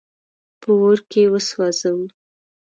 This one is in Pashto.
په اور کي وسوځاوه.